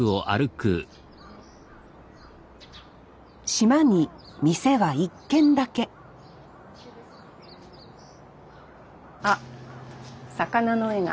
島に店は一軒だけあ魚の絵が。